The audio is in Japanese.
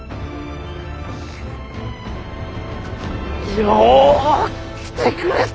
よう来てくれた！